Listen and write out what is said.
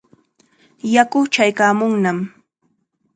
Yaku chaykaamunnam.